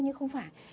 nhưng không phải